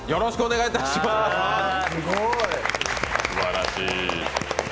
すばらしい。